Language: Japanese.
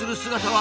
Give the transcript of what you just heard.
は？